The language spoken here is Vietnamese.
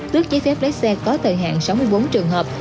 tước giấy phép lấy xe có thời hạn sáu mươi bốn trường hợp